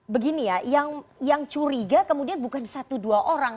begini ya yang curiga kemudian bukan satu dua orang